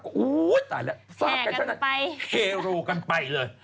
โอ๊ะ้ตายแล้วแข่กันไป